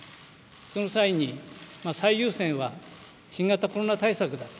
その際に最優先は新型コロナ対策だと。